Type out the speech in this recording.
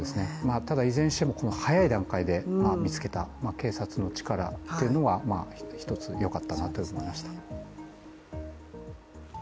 ただいずれにしても、早い段階で見つけた警察の力というのは、一つ、よかったなと思いました。